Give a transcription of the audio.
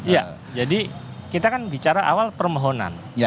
ya jadi kita kan bicara awal permohonan